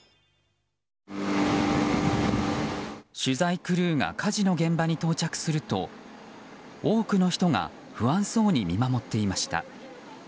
取材クルーが火事の現場に到着すると多くの人が不安そうに見守っていました。